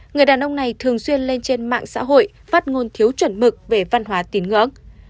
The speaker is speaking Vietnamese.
người đàn ông này thường xuyên lên trên mạng xã hội phát ngôn thiếu chuẩn mực về văn hóa tín ngưỡng